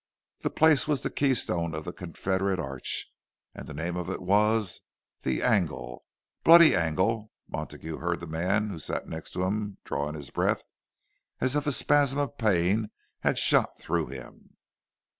The place was the keystone of the Confederate arch, and the name of it was "the Angle"—"Bloody Angle!" Montague heard the man who sat next to him draw in his breath, as if a spasm of pain had shot through him.